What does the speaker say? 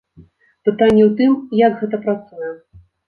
Пытанне ў тым, як гэта працуе.